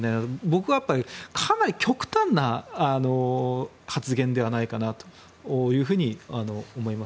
僕はかなり極端な発言ではないかと思います。